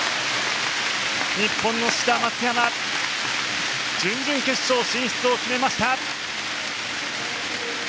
日本の志田、松山準々決勝進出を決めました！